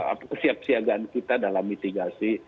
aspek kesiap siagaan kita dalam mitigasi